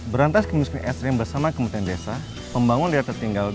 berantas kemiskin ekstrim bersama kementerian desa pembangunan daerah tertinggal